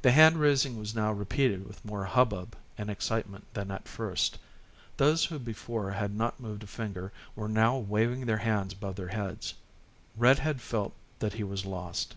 The hand raising was now repeated with more hubbub and excitement than at first. Those who before had not moved a finger were now waving their hands above their heads. "Red Head" felt that he was lost.